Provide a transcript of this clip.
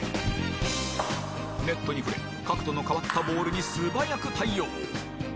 ネットに触れ角度の変わったボールに素早く対応